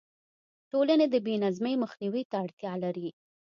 ټولنې د بې نظمۍ مخنیوي ته اړتیا لري.